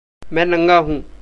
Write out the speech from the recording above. मैं नंगा हूँ।